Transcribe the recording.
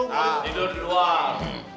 nah tidur di luar